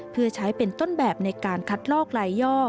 เพื่อใช้เป็นต้นแบบในการคัดลอกลายย่อ